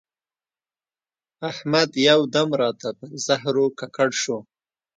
احمد یو دم راته پر زهرو ککړ شو.